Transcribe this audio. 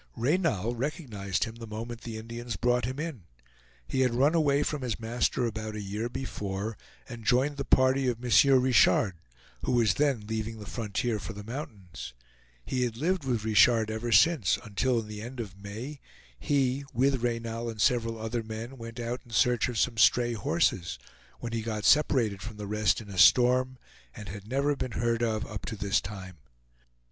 Reynal recognized him the moment the Indians brought him in. He had run away from his master about a year before and joined the party of M. Richard, who was then leaving the frontier for the mountains. He had lived with Richard ever since, until in the end of May he with Reynal and several other men went out in search of some stray horses, when he got separated from the rest in a storm, and had never been heard of up to this time.